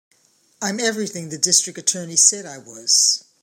I'm everything the District Attorney said I was.